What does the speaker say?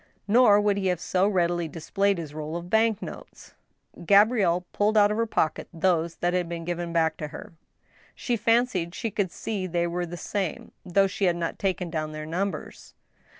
Nor would he have so readily displayed his roll of bank notes. Gabrielle pulled out of her pocket those that had been given back toher. She fancied she could see they were the same, though she had not taken down their numbers.